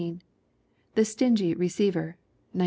The Stingy Receiver, 1917.